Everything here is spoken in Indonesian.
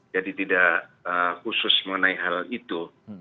jadi tidak khusus mengenai hal itu